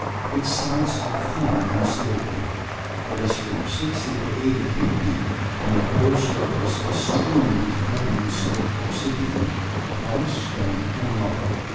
Its sides are thin and sloping, it is from sixty to eighty feet deep, and the whole surface is strewn with fragments of obsidian, pumice stones, and lava.